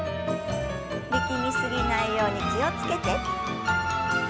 力み過ぎないように気を付けて。